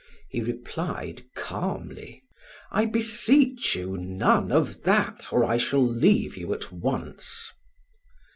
He replied calmly: "I beseech you, none of that, or I shall leave you at once."